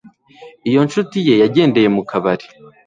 iyo inshuti ye yagendeye mu kabari